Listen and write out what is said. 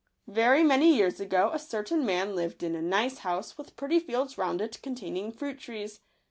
jERY many years ago a certain man lived in a nice house, with pretty fields round it containing fruit trees.